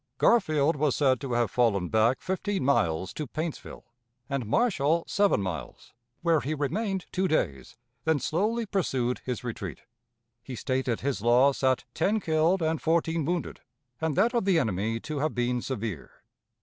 Garfield was said to have fallen back fifteen miles to Paintsville, and Marshall seven miles, where he remained two days, then slowly pursued his retreat. He stated his loss at ten killed and fourteen wounded, and that of the enemy to have been severe.